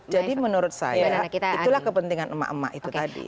jadi menurut saya itulah kepentingan emak emak itu tadi